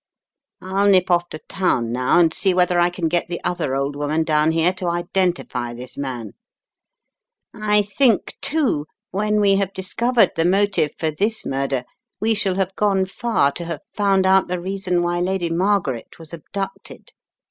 I'll nip off to town now and see whether I can get the other old woman down here to identify this man. I think, too, when we have discovered the motive for this murder we shall have gone far to have found out the reason Tightening the Strands 147 why Lady Margaret was abducted.